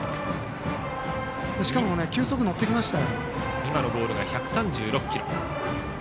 しかも球速、乗ってきました。